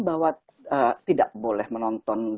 bahwa tidak boleh menonton